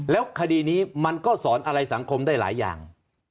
แล้วคดีนี้มันก็สอนอะไรสังคมได้หลายอย่าง